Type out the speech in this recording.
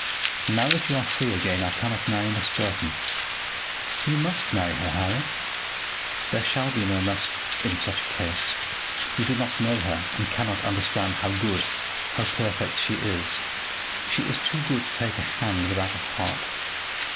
Now that you are free again I cannot marry Miss Burton." "You must marry her, Harry." "There shall be no must in such a case. You do not know her, and cannot understand how good, how perfect she is. She is too good to take a hand without a heart."